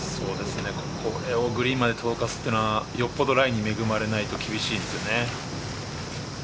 これをグリーンまで届かすというのはよっぽどライに恵まれないと厳しいですね。